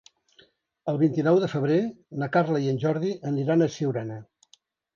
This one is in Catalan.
El vint-i-nou de febrer na Carla i en Jordi aniran a Siurana.